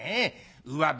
うわべ